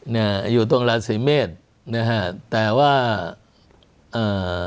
เนี่ยอยู่ตรงราศีเมษนะฮะแต่ว่าอ่า